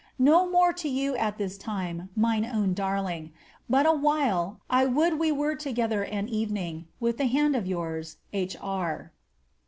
No more to you at this time, mine own darling ; but awhile, I would we were together an evening ; with the hand of yours, H. R."